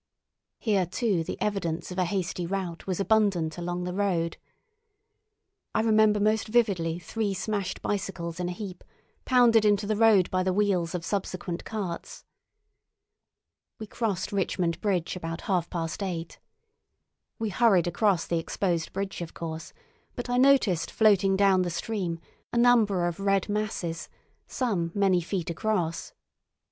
Here too the evidence of a hasty rout was abundant along the road. I remember most vividly three smashed bicycles in a heap, pounded into the road by the wheels of subsequent carts. We crossed Richmond Bridge about half past eight. We hurried across the exposed bridge, of course, but I noticed floating down the stream a number of red masses, some many feet across.